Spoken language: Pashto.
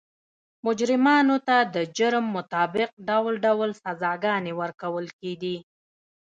مجرمانو ته د جرم مطابق ډول ډول سزاګانې ورکول کېدې.